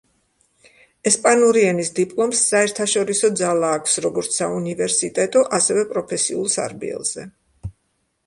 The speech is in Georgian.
ესპანური ენის დიპლომს საერთაშორისო ძალა აქვს როგორც საუნივერსიტეტო, ასევე პროფესიულ სარბიელზე.